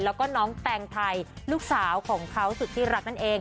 แล้วก็น้องแตงไทยลูกสาวของเขาสุดที่รักนั่นเอง